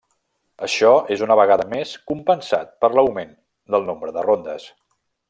Això és una vegada més compensat per l'augment del nombre de rondes.